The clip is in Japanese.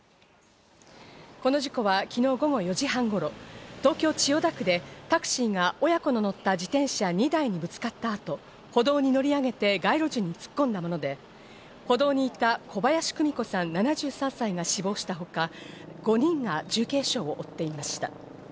この事故は昨日午後４時半頃、東京・千代田区でタクシーが親子の乗った自転車２台にぶつかった後、歩道に乗り上げて街路樹に突っ込んだもので、歩道にいた小林久美子さん、７３歳が死亡したほか、５人が重軽傷を負っていました。